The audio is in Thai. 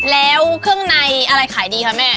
แล้วเครื่องในอะไรขายดีคะแม่